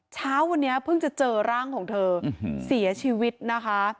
เช้าวันนี้เพิ่งจะเจอร่างของเธอเสียชีวิตนะคะ